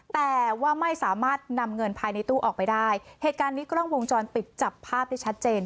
แต่ว่าไม่สามารถนำเงินภายในตู้ออกไปได้เหตุการณ์นี้กล้องวงจรปิดจับภาพได้ชัดเจน